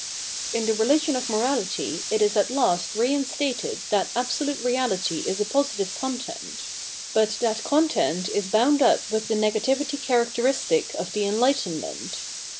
In the religion of Morality it is at last reinstated that Absolute Reality is a positive content ; but that content is bound up with the negativity characteristic of the enlightenment.